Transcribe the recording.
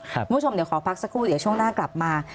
คุณผู้ชมเดี๋ยวขอพักสักครู่เดี๋ยวช่วงหน้ากลับมา